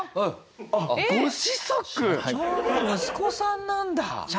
社長の息子さんなんだ！